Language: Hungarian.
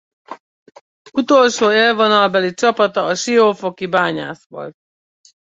Utolsó élvonalbeli csapata a Siófoki Bányász volt.